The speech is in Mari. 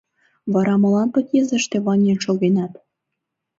— Вара молан подъездыште ваҥен шогенат?